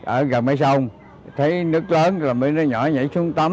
ở gần mấy sông thấy nước lớn thì mới nhỏ nhảy xuống tắm